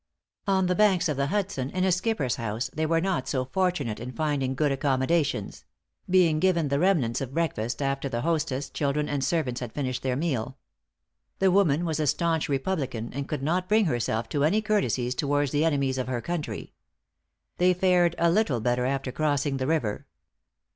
On the banks of the Hudson, in a skipper's house, they were not so fortunate in finding good accommodations being given the remnants of breakfast after the hostess, children, and servants had finished their meal. The woman was a staunch republican, and could not bring herself to any courtesies towards the enemies of her country. They fared a little better after crossing the river.